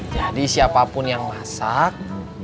jadi siapapun yang masak